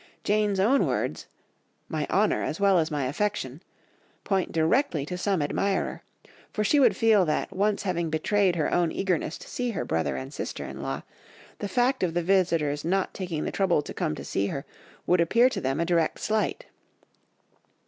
Jane's own words, "my honour as well as my affection," point directly to some admirer, for she would feel that once having betrayed her own eagerness to her brother and sister in law, the fact of the visitor's not taking the trouble to come to see her would appear to them a direct slight.